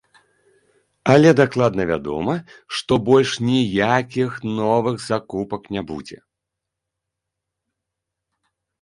Але дакладна вядома, што больш ніякіх новых закупак не будзе.